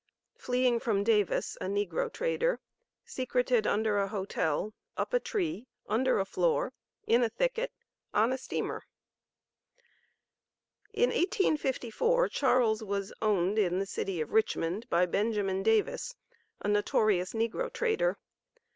FLEEING FROM DAVIS A NEGRO TRADER, SECRETED UNDER A HOTEL, UP A TREE, UNDER A FLOOR, IN A THICKET, ON A STEAMER. In 1854 Charles was owned in the city of Richmond by Benjamin Davis, a notorious negro trader.